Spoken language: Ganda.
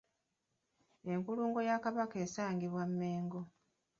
Enkulungo ya Kabaka esangibwa Mengo.